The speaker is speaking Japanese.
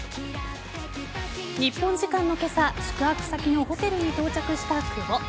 日本時間の今朝宿泊先のホテルに到着した久保。